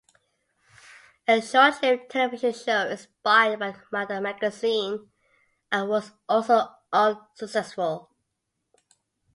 A short-lived television show inspired by the magazine was also unsuccessful.